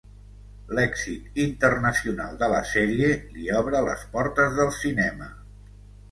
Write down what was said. L'èxit internacional de la sèrie li obre les portes del cinema.